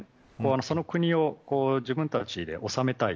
その国を自分たちで治めたい。